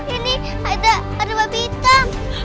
ini ada babi hitam